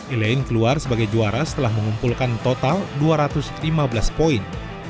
elaine keluar sebagai juara setelah mengumpulkan total dua ratus lima belas poin